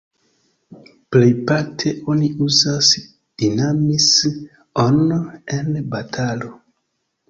Plejparte, oni uzas "dinamis"-on en batalo.